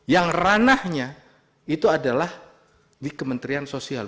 yang ranahnya itu adalah di kementerian sosial